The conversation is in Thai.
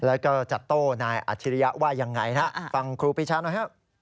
และก็จัดโต้นายอาชิริยะว่ายังไงฟังครูปรีชาหน่อย